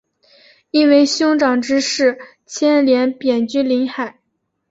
因为兄长之事牵连贬居临海。